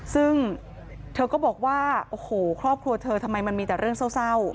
ซึ่งเธอก็บอกว่าโอ้โหครอบครัวเธอทำไมมันมีแต่เรื่องเศร้า